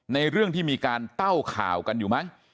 ในเรื่องที่มีการเต้าข่าวกันอยู่มั้ง